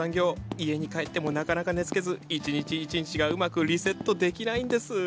家に帰ってもなかなか寝つけず１日１日がうまくリセットできないんです。